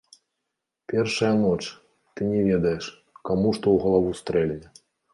Першая ноч, ты не ведаеш, каму што ў галаву стрэльне.